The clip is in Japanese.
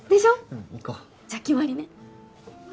うん行こうじゃあ決まりねあ